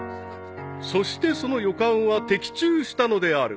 ［そしてその予感は的中したのである］